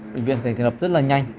bệnh viện thành lập rất là nhanh